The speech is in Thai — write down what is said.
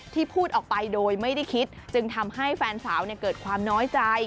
พูดออกไปโดยไม่ได้คิดจึงทำให้แฟนสาวเกิดความน้อยใจ